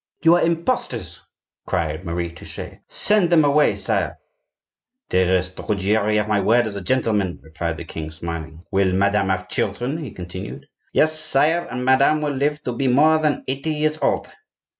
"You are imposters!" cried Marie Touchet. "Send them away, sire." "Dearest, the Ruggieri have my word as a gentleman," replied the king, smiling. "Will madame have children?" he continued. "Yes, sire; and madame will live to be more than eighty years old."